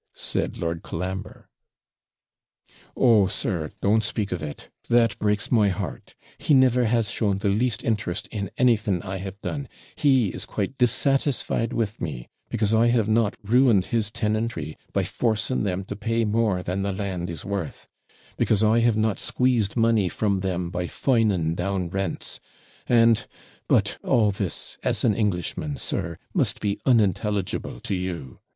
said Lord Colambre. 'Oh, sir, don't speak of it! that breaks my heart, he never has shown the least interest in anything I have done; he is quite dissatisfied with me, because I have not ruined his tenantry, by forcing them to pay more than the land is worth; because I have not squeezed money from them by fining down rents; and but all this, as an Englishman, sir, must be unintelligible to you.